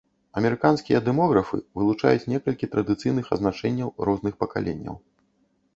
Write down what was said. Амерыканскія дэмографы вылучаюць некалькі традыцыйных азначэнняў розных пакаленняў.